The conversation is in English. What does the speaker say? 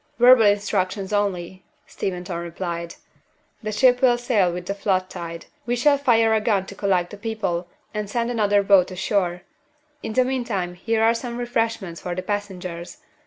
"Verbal instructions only," Steventon replied. "The ship will sail with the flood tide. We shall fire a gun to collect the people, and send another boat ashore. In the meantime here are some refreshments for the passengers.